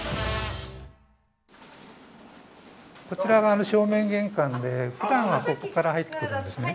こちらが正面玄関でふだんはここから入ってくるんですね。